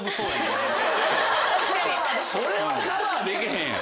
それはカバーでけへん。